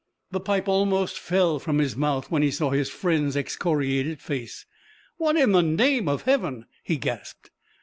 The pipe almost fell from his mouth when he saw his friend's excoriated face. "What in the name of Heaven!" he gasped.